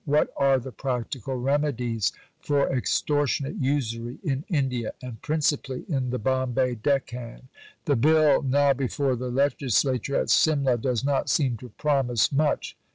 What are the practical remedies for extortionate usury in India, and principally in the Bombay Deccan? The Bill now before the Legislature at Simla does not seem to promise much.